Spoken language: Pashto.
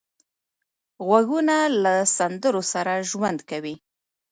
غوږونه له سندرو سره ژوند کوي